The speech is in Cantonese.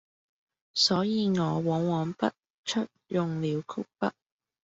所以我往往不恤用了曲筆，